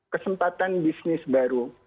kesempatan bisnis baru